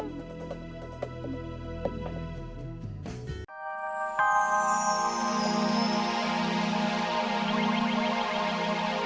teteh tunangannya mas kevin